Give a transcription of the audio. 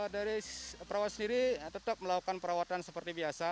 dari perawat sendiri tetap melakukan perawatan seperti biasa